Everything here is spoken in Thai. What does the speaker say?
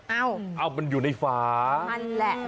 เอ้าเอ้ามันอยู่ในฟ้ามันแหละ